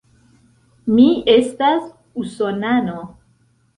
Mi estas usonano.